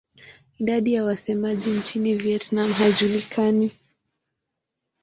Idadi ya wasemaji nchini Vietnam haijulikani.